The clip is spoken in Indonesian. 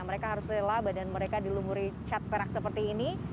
mereka harus rela badan mereka dilumuri cat perak seperti ini